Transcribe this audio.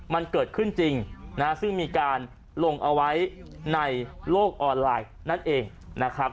มันเกิดขึ้นจริงนะฮะซึ่งมีการลงเอาไว้ในโลกออนไลน์นั่นเองนะครับ